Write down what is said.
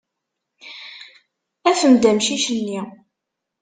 Afem-d amcic-nni.